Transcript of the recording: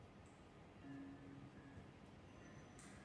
Donizettiho postihly kruté osudové rány.